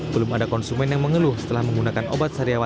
belum ada konsumen yang mengeluh setelah menggunakan obat sariawan